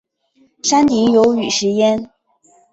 山顶有雨石庵。